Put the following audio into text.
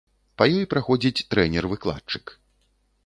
Па ёй праходзіць трэнер-выкладчык.